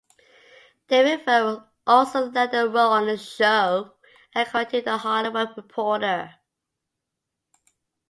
David Furr also landed a role on the show, according to "The Hollywood Reporter".